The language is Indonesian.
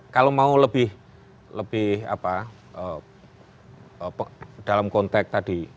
kalau mau lebih dalam konteks tadi